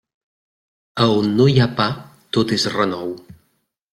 A on no hi ha pa, tot és renou.